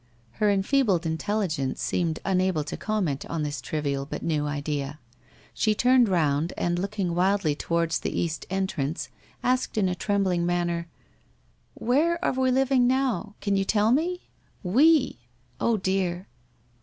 Her enfeebled intelligence seemed unable to comment on this trivial but new idea. She turned round, and looking wildly towards the east entrance, asked in a trem bling manner: 'Where are we living now? Can you tell me? We! .. Oh, dear